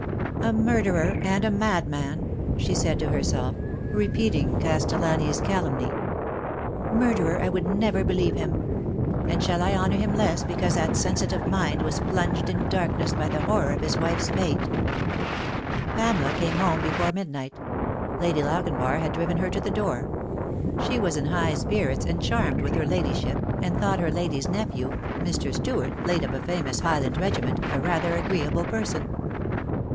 " A murderer and a madman," she said to herself, repeating Castellani's calumny. " Murderer I would never believe him ; and shall I honour him less because that sensitive mind was plunged in darkness by the horror of his wife's fate ?" Pamela came home before midnight. Lady Lochinvar had driven her to the door. She was in high spirits, and charmed with her ladyship, and thought her ladyship's nephew, Mr. Stuart, late of a famous Highland regiment, a rather agreeable person.